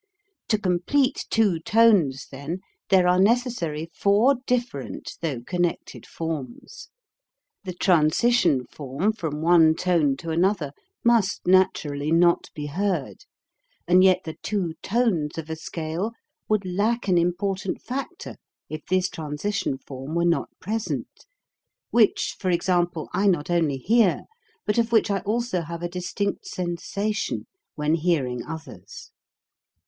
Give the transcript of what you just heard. To complete two tones, then, there are necessary four different though connected forms. The transition form from one tone to another must naturally not be heard and yet the two tones of a scale would lack an important factor if this transition form were not present, which, for example, I not only hear but of which I also have a distinct sensa tion (when hearing others).